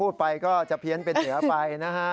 พูดไปก็จะเพี้ยนเป็นเหนือไปนะฮะ